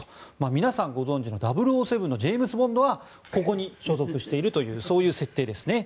皆さんご存じの「００７」のジェームズ・ボンドはここに所属しているという設定ですね。